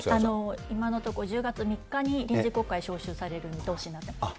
今のところ、１０月３日に臨時国会召集される見通しになってます。